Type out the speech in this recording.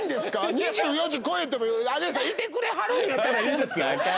２４時越えても有吉さんいてくれはるんやったらいいですよ